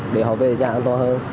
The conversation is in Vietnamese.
để họ về nhà an toàn hơn